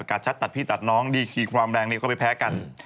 ประการชัดตัดพี่ตัดน้องดีกี่ความแรงนี้ก็ไปแพ้กัน